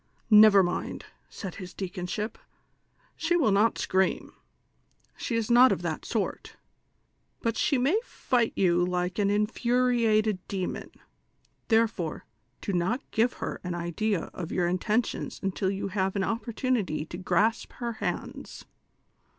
"Xever mind," said his deaconship, "she will not scream, she is not of that sort ; but she may fight you like an infuriated demon ; therefoi e, do not give her an idea ot your intentions until you have an opportunity to grasp her hands."